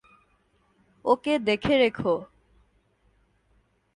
ওকে দেখে রেখো।